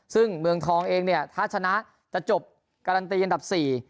ซึ่งเมืองทองเองเนี่ยถ้าชนะจะจบการันตีอันดับ๔